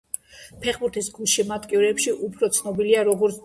ფეხბურთის გულშემატკივრებში უფრო ცნობილია როგორც დუნგა.